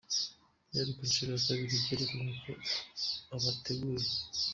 Byari kunshuro ya kabiri, byerekanye ko abateguye